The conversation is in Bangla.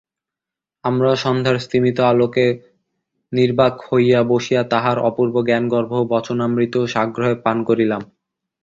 আমরাও সন্ধ্যার স্তিমিত আলোকে নির্বাক হইয়া বসিয়া তাঁহার অপূর্ব জ্ঞানগর্ভ বচনামৃত সাগ্রহে পান করিতাম।